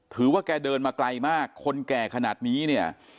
ถือว่าแกเดินมาไกลมากคนแกขนาดนี้